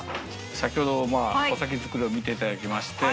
先ほど穂先作りを見ていただきまして。